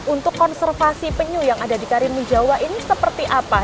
untuk konservasi penyu yang ada di karimun jawa ini seperti apa